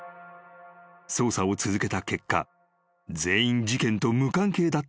［捜査を続けた結果全員事件と無関係だったことが判明］